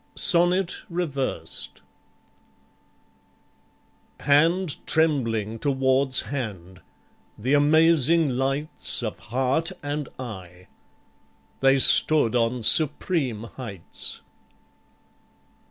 Sonnet Reversed Hand trembling towards hand; the amazing lights Of heart and eye. They stood on supreme heights.